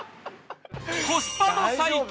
コスパも最強！